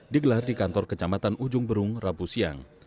digelar di kantor kecamatan ujung berung rabu siang